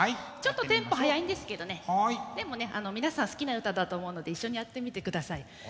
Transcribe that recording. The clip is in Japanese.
ちょっとテンポ速いんですけどねでもね皆さん好きな歌だと思うので一緒にやってみてください。